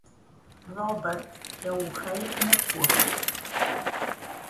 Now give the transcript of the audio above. Robert é o rei na corte.